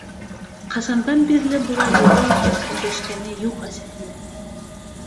Ҡасандан бирле былай йылы итеп өндәшкәне юҡ әсәһенә?